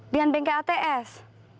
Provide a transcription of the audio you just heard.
dian bengke ats